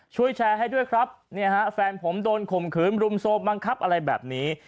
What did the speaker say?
ช่วยแชร์ให้ด้วยครับเนี่ยฮะแฟนผมโดนข่มขืนรุมโทรมบังคับอะไรแบบนี้